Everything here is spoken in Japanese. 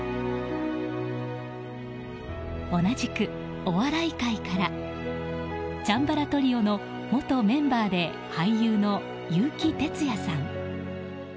同じく、お笑い界からチャンバラトリオの元メンバーで俳優のゆうき哲也さん。